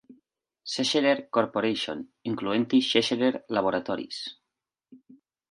Scherer Corporation, incloent-hi Scherer Laboratories.